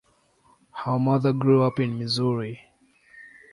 Her mother grew up in Missouri.